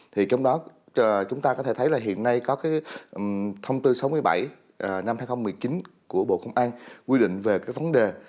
thì trong đó chúng ta có thể thấy là hiện nay có cái thông tư sáu mươi bảy năm hai nghìn một mươi chín của bộ công an quy định về cái vấn đề